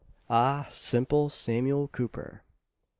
Ah! simple Samuel Cooper!